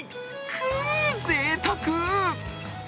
くぅ、ぜいたくぅ。